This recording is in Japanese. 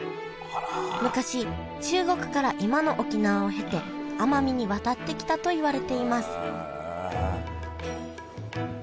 昔中国から今の沖縄を経て奄美に渡ってきたといわれていますへえ。